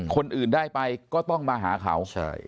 คนอื่นได้ไปก็ต้องมาหาเขา